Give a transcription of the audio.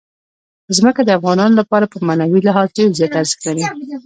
ځمکه د افغانانو لپاره په معنوي لحاظ ډېر زیات ارزښت لري.